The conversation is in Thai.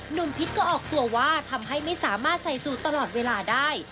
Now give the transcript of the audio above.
พิษก็ออกตัวว่าทำให้ไม่สามารถใส่สูตรตลอดเวลาได้